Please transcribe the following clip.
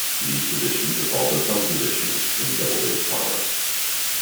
These positions are called the 'thumb positions' in double bass parlance.